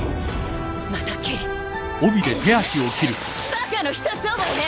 バカの一つ覚えね！